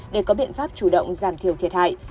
để có biện pháp chủ động giảm thiểu thiệt hại